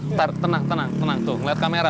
ntar tenang tenang tuh lihat kamera